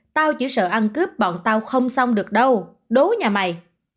tao chỉ sợ ăn cướp bọn tao không xong được đâu đố nhà mày